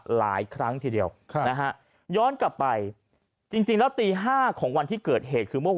หลายครั้งทีเดียวนะฮะย้อนกลับไปจริงแล้วตี๕ของวันที่เกิดเหตุคือเมื่อวาน